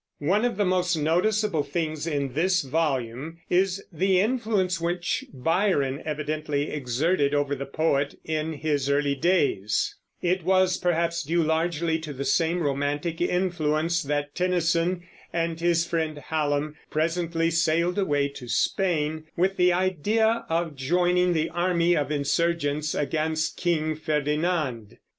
One of the most noticeable things in this volume is the influence which Byron evidently exerted over the poet in his early days; and it was perhaps due largely to the same romantic influence that Tennyson and his friend Hallam presently sailed away to Spain, with the idea of joining the army of insurgents against King Ferdinand.